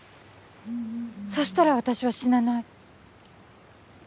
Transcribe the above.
そしたら私は死なない。